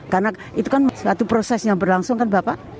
karena itu kan satu proses yang berlangsung kan bapak